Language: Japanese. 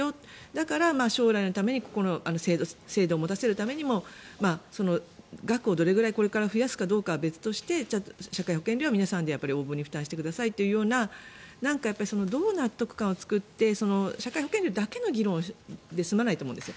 だから将来のためにここの制度を持たせるためにも額をどれくらいこれから増やすかは別として社会保険料は皆さんで負担してくださいというようななんか、どう納得感を作って社会保険料だけの議論で済まないと思うんです。